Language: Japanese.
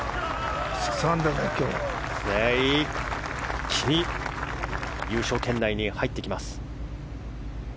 一気に優勝圏内に入ってきます。